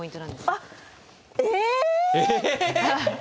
あっえ！